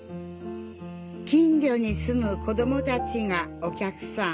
近所に住む子どもたちがお客さん。